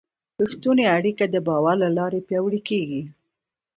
رښتونې اړیکه د باور له لارې پیاوړې کېږي.